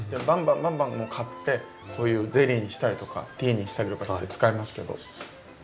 バンバンバンバン刈ってこういうゼリーにしたりとかティーにしたりとかして使いますけど。